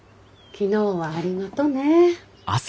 昨日はありがとね。